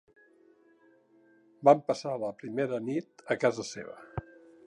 Vam passar la primera nit a casa seva.